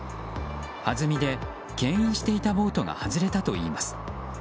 はずみで牽引していたボートが外れたといいます。